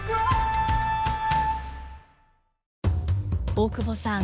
大久保さん